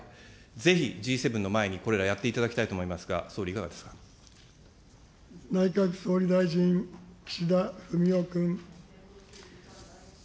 ぜひＧ７の前に、これらやっていただきたいと思いますが、総理、内閣総理大臣、岸田文雄君。